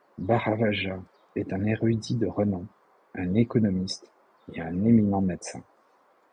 Bharadvāja est un érudit de renom, un économiste et un éminent médecin.